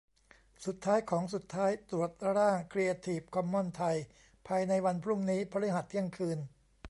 สุดท้ายของสุดท้าย ตรวจร่างครีเอทีฟคอมมอนส์ไทย ภายในวันพรุ่งนี้ พฤหัส เที่ยงคืน